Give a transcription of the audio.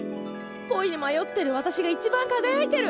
恋に迷ってる私が一番輝いてる。